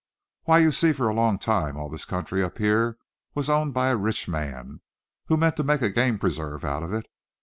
"Why, you see for a long time all this country up here was owned by a rich man, who meant to make a game preserve out of it.